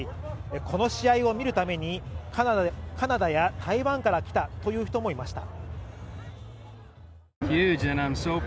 この試合を見るためにカナダや台湾から来たという人もいました。